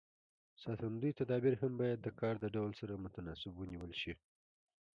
ساتندوی تدابیر هم باید د کار د ډول سره متناسب ونیول شي.